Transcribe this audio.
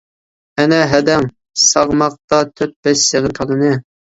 ئەنە ھەدەڭ ساغماقتا تۆت-بەش سېغىن كالىنى.